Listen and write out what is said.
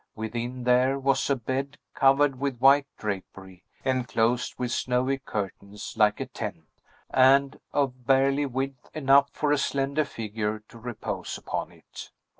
Within, there was a bed, covered with white drapery, enclosed with snowy curtains like a tent, and of barely width enough for a slender figure to repose upon it.